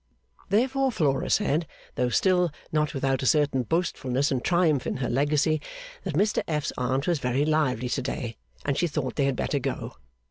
Therefore Flora said, though still not without a certain boastfulness and triumph in her legacy, that Mr F.'s Aunt was 'very lively to day, and she thought they had better go.